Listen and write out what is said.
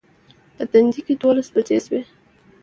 په تندي کې دولس بجې شوې.